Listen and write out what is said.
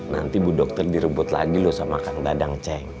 nanti bu dokter direbut lagi loh sama kang dadang ceng